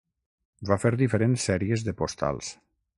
Va fer diferents sèries de postals.